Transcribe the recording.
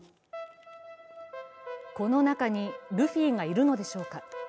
この中にルフィがいるのでしょうか。